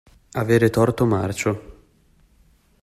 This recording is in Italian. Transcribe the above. Avere torto marcio.